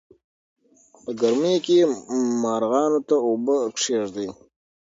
په ګرمۍ کې مارغانو ته اوبه کېږدئ.